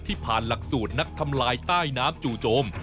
ผ่านหลักสูตรนักทำลายใต้น้ำจู่โจม